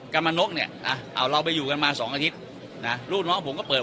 กรรมนกเนี่ยเอาเราไปอยู่กันมาสองอาทิตย์นะลูกน้องผมก็เปิด